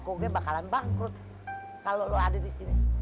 udah bakalan bangkrut kalo lu ada di sini